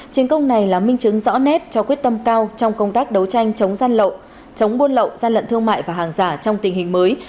trên công này là minh chứng rõ nét cho quyết tâm cao trong công tác đấu tranh chống buôn lậu gian lận thương mại và hàng giả trong tình hình mới